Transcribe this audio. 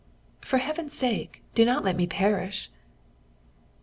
For Heaven's sake do not let me perish!"